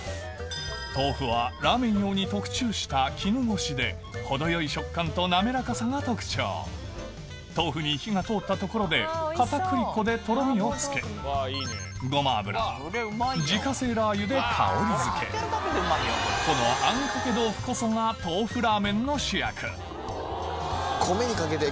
豆腐はラーメン用に特注した絹ごしで程よい食感と滑らかさが特徴豆腐に火が通ったところで片栗粉でとろみをつけるで香りづけこのあんかけ豆腐こそが米にかけてぇ！